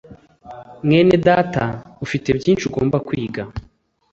mwenedata, ufite byinshi ugomba kwiga